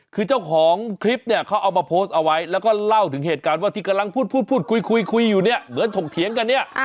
คือเจ้าของคลิปเนี่ยเขาเอามาโพสต์เอาไว้แล้วก็เล่าถึงเหตุการณ์ว่าที่กำลังพูดพูดคุยคุยอยู่เนี่ยเหมือนถกเถียงกันเนี่ย